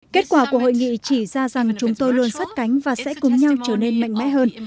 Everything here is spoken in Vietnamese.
kết quả của hội nghị chỉ ra rằng chúng tôi luôn sắt cánh và sẽ cùng nhau trở nên mạnh mẽ hơn